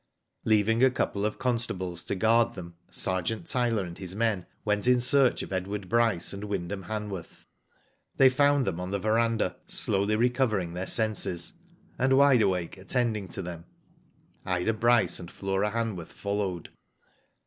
Leaving a couple of constables to guard them. Sergeant Tyler and his men went in search of Edward Bryce and Wyndham Hanworth. They found them on the verandah, slowly re covering their senses, and Wide Awake attending to them. Ida Bryce and Flora Hanworth followed.